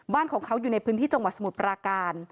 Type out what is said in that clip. บ้านของเขาอยู่ในพื้นที่จังหวัดสมุทรปราการ